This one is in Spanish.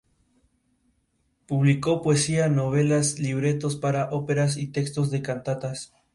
Gracias a su habilidad para desplazarse por las islas, son los encargados del correo.